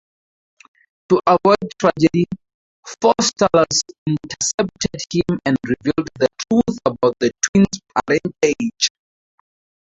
To avoid tragedy, Faustulus intercepted him and revealed the truth about the twins' parentage.